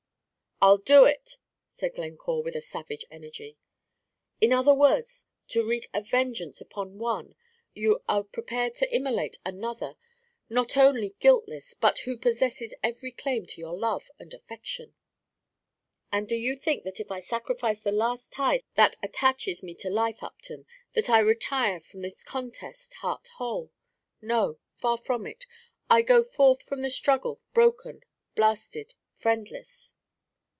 "I 'll do it," said Glencore, with a savage energy. "In other words, to wreak a vengeance upon one, you are prepared to immolate another, not only guiltless, but who possesses every claim to your love and affection." "And do you think that if I sacrifice the last tie that attaches me to life, Upton, that I retire from this contest heart whole? No, far from it; I go forth from the struggle broken, blasted, friendless!"